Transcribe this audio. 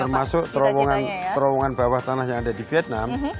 termasuk terowongan bawah tanah yang ada di vietnam